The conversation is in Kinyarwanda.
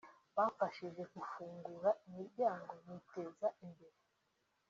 bamfashije kufungura imiryango niteza imbere